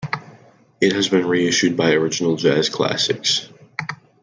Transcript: It has been reissued by Original Jazz Classics.